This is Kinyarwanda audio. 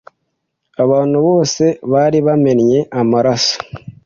Abantu bose bari bamennye amaraso